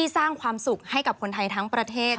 สร้างความสุขให้กับคนไทยทั้งประเทศ